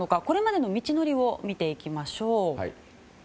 これまでの道のりを見ていきましょう。